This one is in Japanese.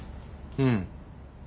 うん。